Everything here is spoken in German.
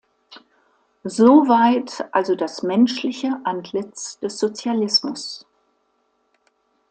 Soweit also das menschliche Antlitz des Sozialismus.